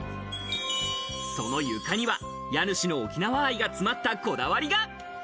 その床には家主の沖縄愛が詰まった、こだわりが。